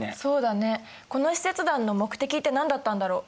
この使節団の目的って何だったんだろう？